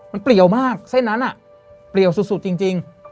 มันเปลี่ยวมากเส้นนั้นเปลี่ยวสุดจริง